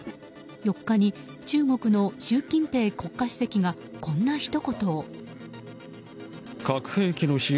４日に中国の習近平国家主席がこんなひと言を。